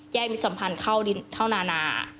แย่มีสัมพันธ์เข้าดินเท่านานา